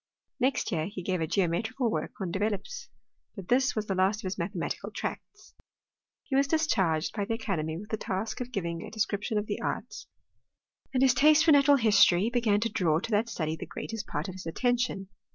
Next year he gave a geometrical work on Developes ; but this was the last of his mathematical tracts. He was charged by the academy with the task of giving a description of the arts, and his taste for natural history began to draw to that study the greatest part of his attention.